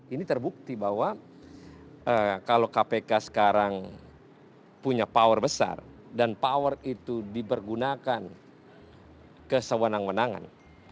ini terbukti bahwa kalau kpk sekarang punya power besar dan power itu dipergunakan ke sewenang wenangan